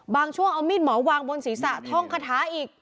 บางช่วงเอามีดหมอวางบนศรีสาธ้องคะถาอีก